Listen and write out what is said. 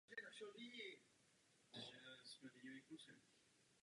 Brno se tak stalo druhým největším městem Československa.